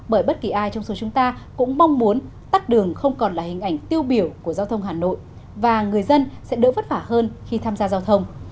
bởi bất kỳ ai trong số chúng ta cũng mong muốn tắt đường không còn là hình ảnh tiêu biểu của giao thông hà nội và người dân sẽ đỡ vất vả hơn khi tham gia giao thông